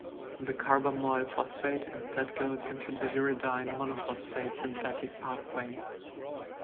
The carbamoyl phosphate instead goes into the uridine monophosphate synthetic pathway.